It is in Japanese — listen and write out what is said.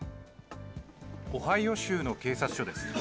オハイオ州の警察署です。